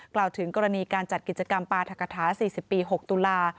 กล่าวถึงกรณีการจัดกิจกรรมปราธกฐา๔๐ปี๖ตุลา